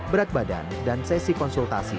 berat badan dan sesi konsultasi